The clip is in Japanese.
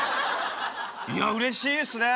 いやうれしいっすね。